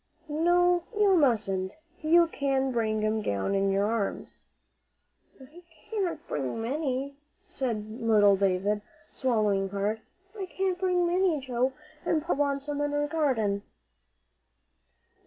"No, you mustn't; you can bring 'em down in your arms." "I can't bring many," said little David, swallowing hard. "I can't bring many, Joe, an' Polly'll want some in her garden."